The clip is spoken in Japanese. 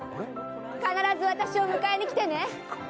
必ず私を迎えにきてね。